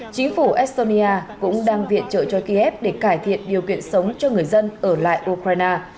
chính phủ estonia cũng đang viện trợ cho kiev để cải thiện điều kiện sống cho người dân ở lại ukraine